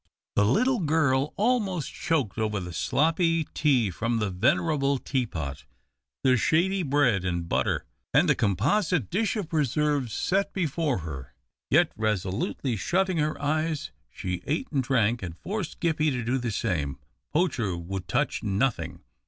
The little girl almost choked over the sloppy tea from the venerable teapot, the shady bread and butter, and the composite dish of preserves set before her, yet resolutely shutting her eyes she ate and drank, and forced Gippie to do the same. Poacher would touch nothing.